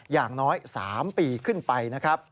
อย่างน้อย๓ปีขึ้นไป